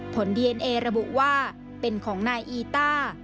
ผลดีเอนเอระบุว่าเป็นของนายอีต้า